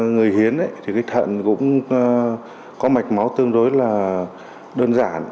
người hiến thì cái thận cũng có mạch máu tương đối là đơn giản